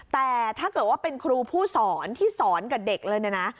แต่ถ้าเกิดว่าเป็นครูผู้สอนที่สอนกับเด็กเลยเนี่ยนะ